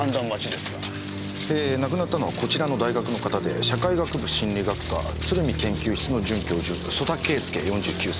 亡くなったのはこちらの大学の方で社会学部心理学科鶴見研究室の准教授曽田敬助４９歳。